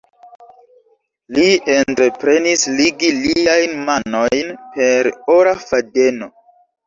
Li entreprenis ligi liajn manojn per ora fadeno.